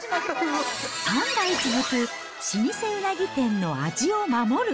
３代続く老舗うなぎ店の味を守る。